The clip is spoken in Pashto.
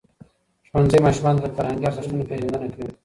ښوونځی ماشومانو ته د فرهنګي ارزښتونو پېژندنه کوي.